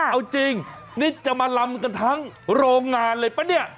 เอาจริงนี่จะมาลำกันทั้งโรงงานเลยป่ะเนี่ย